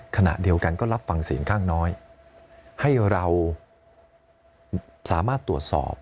ขณะเดียวกันก็รับฟังเสียงข้างน้อยให้เราสามารถตรวจสอบ